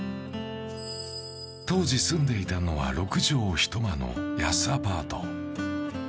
当時、住んでいたのは六畳一間の安アパート。